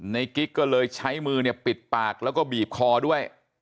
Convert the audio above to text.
กิ๊กก็เลยใช้มือเนี่ยปิดปากแล้วก็บีบคอด้วย